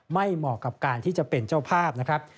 เหมาะกับการที่จะเป็นเจ้าภาพนะครับ